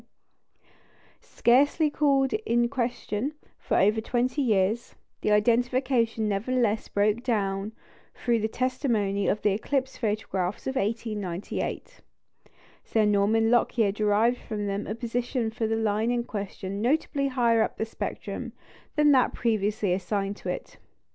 Scarcely called in question for over twenty years, the identification nevertheless broke down through the testimony of the eclipse photographs of 1898. Sir Norman Lockyer derived from them a position for the line in question notably higher up in the spectrum than that previously assigned to it.